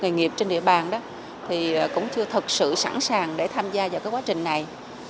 nghề nghiệp trên địa bàn đó thì cũng chưa thật sự sẵn sàng để tham gia vào cái quá trình này